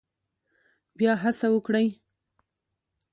بیا هڅه وکړئ